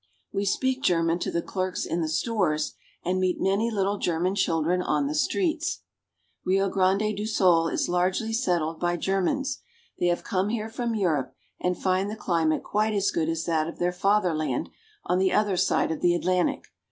We speak German to the clerks in the stores, and meet many little German children on the streets. Rio Grande do Sul is largely settled by Germans. They have come here from Europe, and find the cHmate quite as good as that of their father land on the other side of the Atlantic.